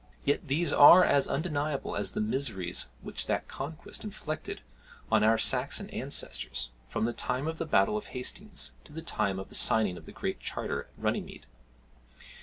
Yet these are as undeniable as are the miseries which that conquest inflicted on our Saxon ancestors from the time of the battle of Hastings to the time of the signing of the Great Charter at Runnymede.